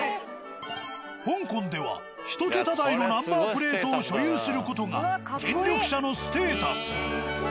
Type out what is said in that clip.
香港では１桁台のナンバープレートを所有する事が権力者のステータス。